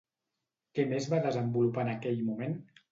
Què més va desenvolupar en aquell moment?